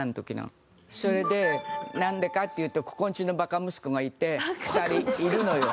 それでなんでかっていうとここんちのバカ息子がいて２人いるのよ。